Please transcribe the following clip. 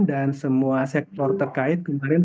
dan semua sektor terkait kemarin